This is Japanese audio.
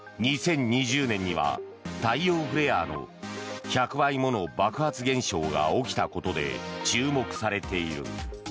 ２０２０年には太陽フレアの１００倍もの爆発現象が起きたことで注目されている。